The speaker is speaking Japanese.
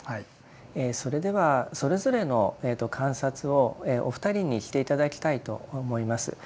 それではそれぞれの観察をお二人にして頂きたいと思います。